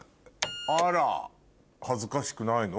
あら恥ずかしくないの？